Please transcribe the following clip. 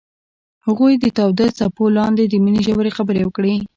هغوی د تاوده څپو لاندې د مینې ژورې خبرې وکړې.